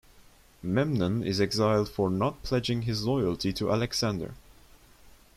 Memnon is exiled for not pledging his loyalty to Alexander.